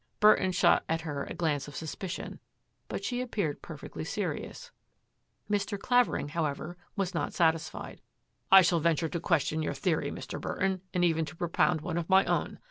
Burton shot at her a glance of suspicion, but she appeared perfectly serious. Mr. Clavering, however, was not satisfied. " I shall venture to question your theory, Mr. Burton, and even to propound one of my own.